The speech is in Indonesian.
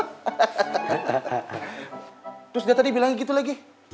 terus dia tadi bilang gitu lagi